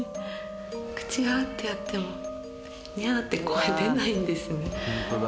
口わってやってもニャーって声出ないんですね。